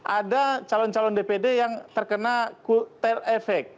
ada calon calon dpd yang terkena kulterefek